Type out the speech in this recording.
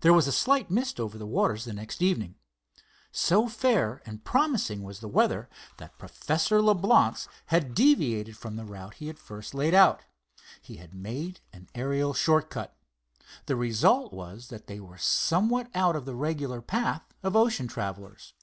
There was a slight mist over the waters the next evening. So fair and promising was the weather, that Professor Leblance had deviated from the route he had first laid out. He had made an aerial short cut. The result was that they were somewhat out of the regular path of ocean travelers.